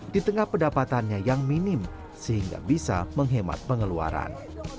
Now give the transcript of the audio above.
di tengah pendapatannya yang minim sehingga bisa menghemat pengeluaran